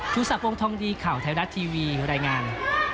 ทุศัพท์วงธรรมดีข่าวไทยรัฐทีวีรายงาน